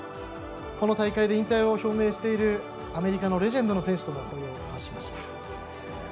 この大会で引退を表明しているアメリカのレジェンドの選手とも抱擁を交わしました。